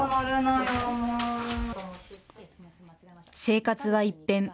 生活は一変。